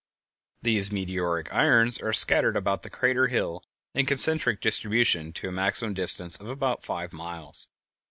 These meteoric irons are scattered about the crater hill, in concentric distribution, to a maximum distance of about five miles.